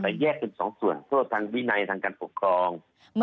แต่แยกเป็นสองส่วนโทษทางวินัยทางการปกครอง